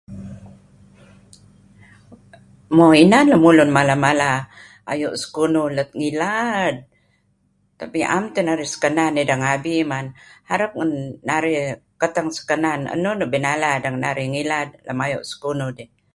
Mo inan lemulun mala-mala ayu' sekunuh lat ngilad tapi am teh narih sekanan ideh ngabi man. Harap ngen dulun kateng sekanan enun nuk binala deh ngen narih ngilad lem ayu' sekunuh dih.